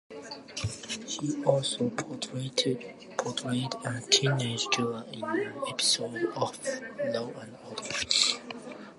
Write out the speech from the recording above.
He also portrayed a teenage killer in an episode of "Law and Order".